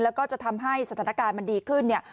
แล้วก็จะทำให้สถานการณ์มันดีขึ้นเนี่ย